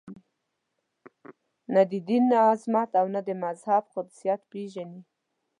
نه د دین عظمت او نه د مذهب قدسیت پېژني.